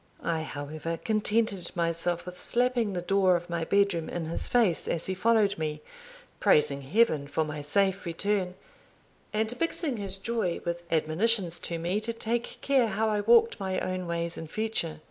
I however contented myself with slapping the door of my bedroom in his face as he followed me, praising Heaven for my safe return, and mixing his joy with admonitions to me to take care how I walked my own ways in future.